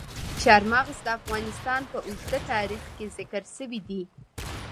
چار مغز د افغانستان په اوږده تاریخ کې ذکر شوي دي.